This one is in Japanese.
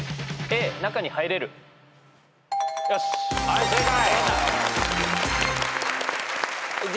はい正解。